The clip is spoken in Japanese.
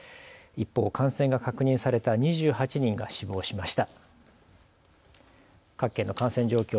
一方、感染が確認された２８人が死亡しました。